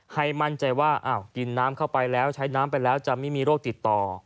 ให้มั่นใจว่ากินน้ำเข้าไปแล้วใช้น้ำไปแล้วจะไม่มีโรคติดต่อ